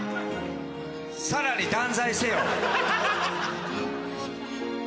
さらに断罪せよ。